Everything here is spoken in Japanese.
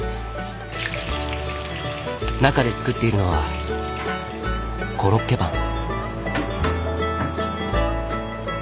中で作っているのはコロッケパン。